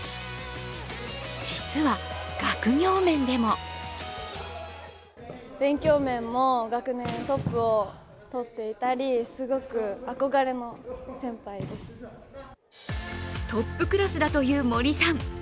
実は学業面でもトップクラスだという森さん。